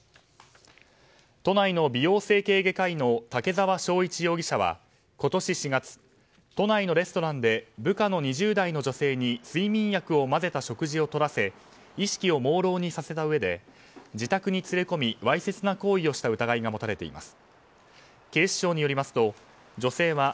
都内の美容整形外科医の竹沢章一容疑者は今年４月、都内のレストランで部下の２０代の女性に睡眠薬を混ぜた食事をとらせ意識をもうろうにさせたうえで自宅に連れ込みわいせつな行為をした疑いが持たれています。